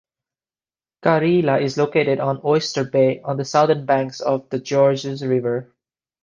Kareela is located on Oyster Bay, on the southern banks of the Georges River.